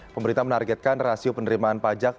pemerintah menargetkan rasio penerimaan pajak